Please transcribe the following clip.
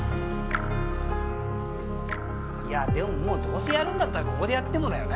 いやでももうどうせやるんだったらここでやってもだよね？